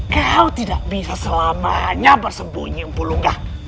kau tidak bisa selamanya bersembunyi empu lunggah